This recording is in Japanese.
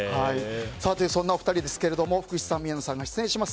そんなお二人ですが福士さん、宮野さんが出演します